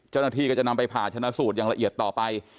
เจ้าหน้าที่ก็จะนำไปผ่าชนะสูตรอย่างละเอียดต่อไป